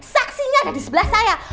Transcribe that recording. saksinya ada di sebelah saya